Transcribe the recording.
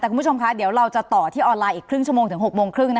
แต่คุณผู้ชมคะเดี๋ยวเราจะต่อที่ออนไลน์อีกครึ่งชั่วโมงถึง๖โมงครึ่ง